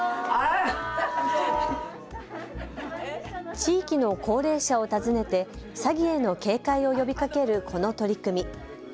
地域の高齢者を訪ねて詐欺への警戒を呼びかけるこの取り組み。